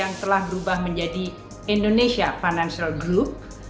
yang telah berubah menjadi indonesia financial group